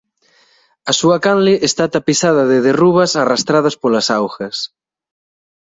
A súa canle está tapizada de derrubas arrastradas polas augas.